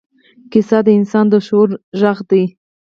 کیسه د انسان د شعور غږ دی.